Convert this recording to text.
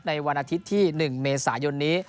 วันอาทิตย์ที่๑เมษายนนี้